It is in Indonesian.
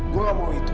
gue gak mau itu